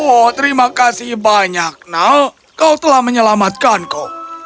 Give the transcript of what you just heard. oh terima kasih banyak nak kau telah menyelamatkanku